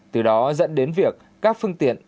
từ đó dẫn đến việc các phương tiện